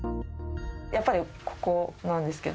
やっぱりここなんですけど。